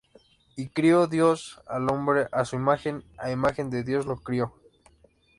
Y crió Dios al hombre á su imagen, á imagen de Dios lo crió.